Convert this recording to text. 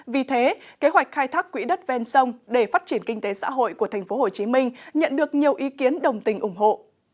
vì thế kế hoạch khai thác quỹ đất ven sông để phát triển kinh tế xã hội của thành phố hồ chí minh nhận được nhiều ý kiến đồng tình ủng hộ